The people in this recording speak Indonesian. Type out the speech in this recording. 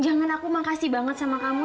jangan aku makasih banget sama kamu